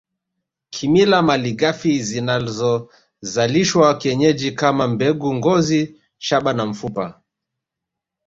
Kimila malighafi zinazozalishwa kienyeji kama mbegu ngozi shaba na mfupa